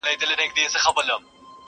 ليکوال ژور نقد وړلاندي کوي ډېر،